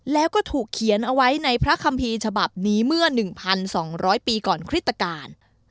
แล้วก็ถูกเขียนเอาไว้ในพระคัมภีร์ฉบับนี้เมื่อ๑๒๐๐ปีก่อนคริสตการ